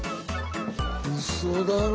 うそだろ。